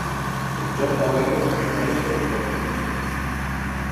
El joc va rebre comentaris sobretot mixtos.